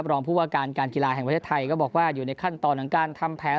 รองผู้ว่าการการกีฬาแห่งประเทศไทยก็บอกว่าอยู่ในขั้นตอนของการทำแผน